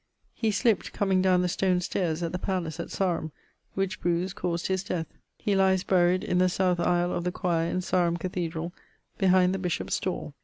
He slipt comeing downe the stone stayres at the palace at Sarum, which bruise caused his death. He lyes buried in the south aissle of the choire in Sarum Cathedral behind the bishop's stall.